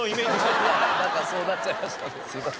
なんかそうなっちゃいましたねすいません。